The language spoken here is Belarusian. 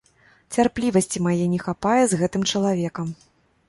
Цярплівасці мае не хапае з гэтым чалавекам.